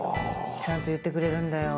ちゃんと言ってくれるんだよ。